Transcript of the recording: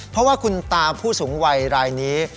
เพราะว่าคุณตาผู้สูงวัยรายนี้